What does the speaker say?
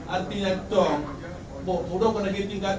artinya toh mudo kena kitinggat